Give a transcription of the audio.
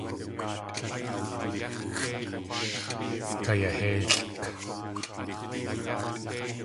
Kayahélʼk.